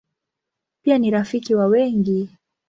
Pia ni rafiki wa wengi.